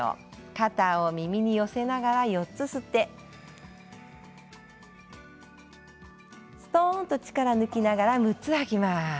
肩を耳に寄せながら４つ吸ってすとんと力を抜きながら６つ吐きます。